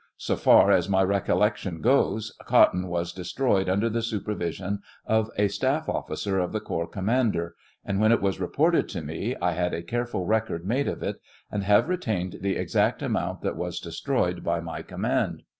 So far as my recollection goes, cotton was de stroyed under the supervision of a staff officer of the corps commander, and when it was reported to me, I had a careful record made of it, and have retained the exact amount that was destroyed by my command.